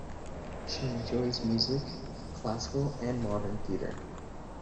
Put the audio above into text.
She enjoys music, classical and modern theatre.